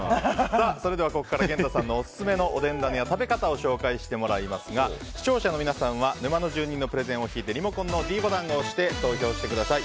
ここから、源太さんのオススメのおでんだねや食べ方を紹介してもらいますが視聴者の皆さんは沼の住人のプレゼンを聞いてリモコンのｄボタンを押して投票してください。